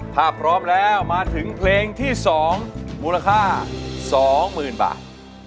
ถ้าพร้อมแล้วมาถึงเพลงที่สองมูลค่าสองหมื่นบาท